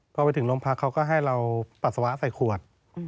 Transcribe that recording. พอไปถึงโรงพักเขาก็ให้เราปัสสาวะใส่ขวด